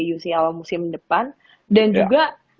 uco musim depan dan juga